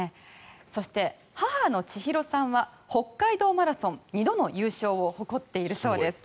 そして母の千洋さんは北海道マラソン２度の優勝を誇っているそうです。